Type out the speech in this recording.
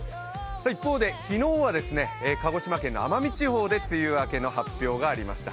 一方で昨日は鹿児島県の奄美地方で梅雨明けの発表がありました。